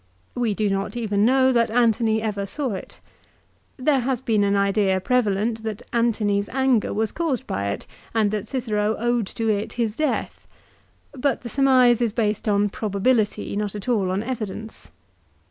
We do not even know that Antony ever saw it. There has been an idea prevalent that Antony's anger was caused by it, and that Cicero owed to it his death. But the surmise is based on probability, not at all on evidence.